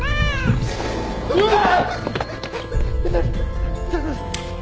うわーっ！